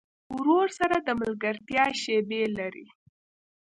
ورور سره د ملګرتیا شیبې لرې.